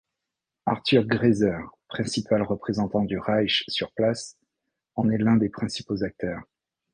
Arthur Greiser, principal représentant du Reich sur place, en est l'un des principaux acteurs.